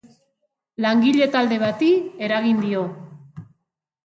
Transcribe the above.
Langile talde bati eragin dio.